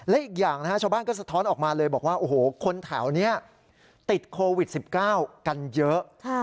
และอีกอย่างนะฮะชาวบ้านก็สะท้อนออกมาเลยบอกว่าโอ้โหคนแถวนี้ติดโควิด๑๙กันเยอะ